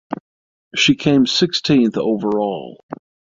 She came sixteenth overall.